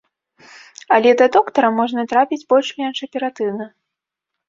Але да доктара можна трапіць больш-менш аператыўна.